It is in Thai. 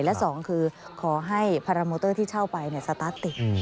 และสองคือขอให้พาราโมเตอร์ที่เช่าไปเนี่ยปุ๊บจี๊